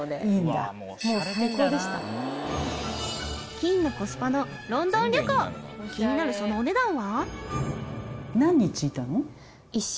金のコスパのロンドン旅行気になるそのお値段は？